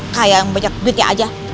kayak yang banyak duitnya aja